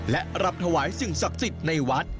และรับถวายสิ่งศักดิ์สิทธิ์ในวัด